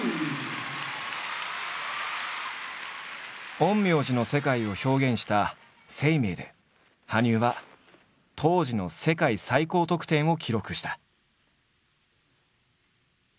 陰陽師の世界を表現した「ＳＥＩＭＥＩ」で羽生は当時の世界最高得点を記録した。